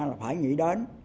là phải nghĩ đến